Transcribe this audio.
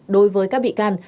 đối với các bị can